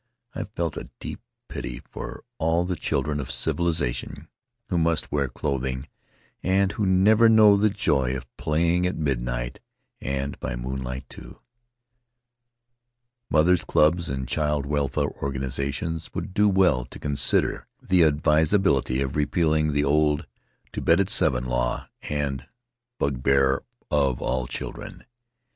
I felt a deep pity for all the children of civilization who must wear clothing and who never know the joy of playing at midnight, and by moonlight too. Mothers' clubs and child welfare organizations would do well to Faery Lands of the South Seas consider the advisability of repealing the old "to bed at seven" law, the bugbear of all children.